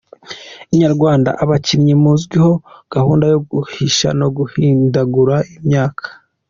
Inyarwanda: Abakinnyi muzwiho gahunda yo guhisha no guhindagura imyaka.